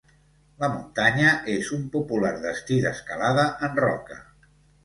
La muntanya és un popular destí d'escalada en roca.